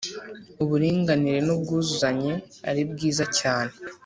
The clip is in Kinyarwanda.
uburinganire n’ubwuzuzanye ari bwiza cyanye